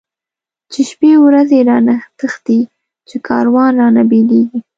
چی شپی ورځی رانه تښتی، چی کاروان رانه بيليږی